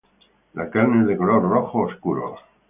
La carne es de color rojo oscuro.